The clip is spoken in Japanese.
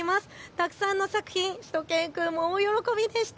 たくさんの作品しゅと犬くんも大喜びでした。